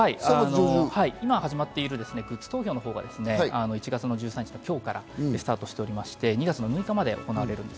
今始まっているグッズ投票が今日からスタートしておりまして、２月の６日まで行われます。